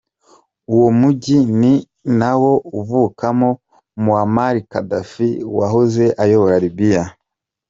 Uwo Mujyi ni nawo uvukamo Muamar Gaddaffi wahoze ayobora Libya.